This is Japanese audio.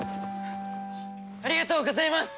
ありがとうございます！